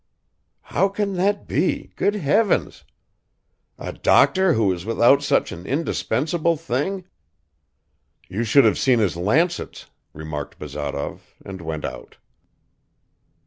"How can that be, good heavens! A doctor who is without such an indispensable thing!" "You should have seen his lancets," remarked Bazarov, and went out.